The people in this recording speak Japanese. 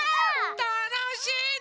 たのしいね！